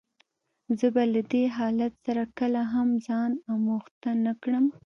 زه به له دې حالت سره کله هم ځان آموخته نه کړم.